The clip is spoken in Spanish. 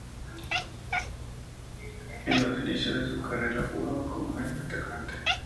En los inicios de su carrera jugaba como medio atacante.